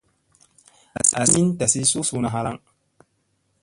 Asi min tasi su suuna halaŋ.